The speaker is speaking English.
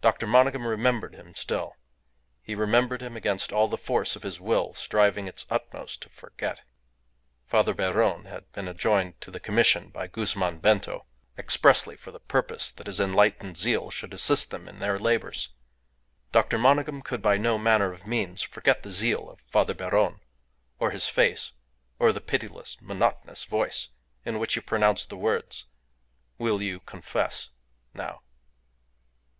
Dr. Monygham remembered him still. He remembered him against all the force of his will striving its utmost to forget. Father Beron had been adjoined to the commission by Guzman Bento expressly for the purpose that his enlightened zeal should assist them in their labours. Dr. Monygham could by no manner of means forget the zeal of Father Beron, or his face, or the pitiless, monotonous voice in which he pronounced the words, "Will you confess now?"